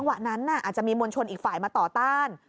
ะนั้นอาจจะมีมวลชนอีกฝ่ายมาต่อต้าน